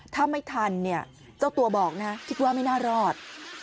ถ้าไม่ทันเนี่ยเจ้าตัวบอกนะคิดว่าไม่น่ารอด